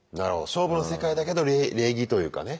勝負の世界だけど礼儀というかね。